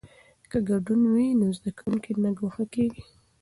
که ګډون وي نو زده کوونکی نه ګوښه کیږي.